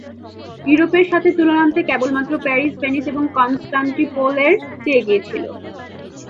ইউরোপের সাথে তুলনান্তে কেবলমাত্র প্যারিস, ভেনিস এবং কনস্টান্টিনোপল এর চেয়ে এগিয়ে ছিল।